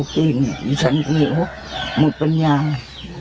สรุปว่าเขาช่วยได้การช่วยหรือบอกหรือเขาต้องบอกว่าเขาต้อง